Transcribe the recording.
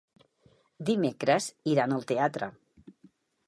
Dimecres iran al teatre.